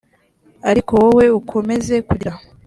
ariko wowe ukomeze kugira